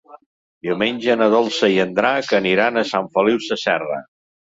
Diumenge na Dolça i en Drac aniran a Sant Feliu Sasserra.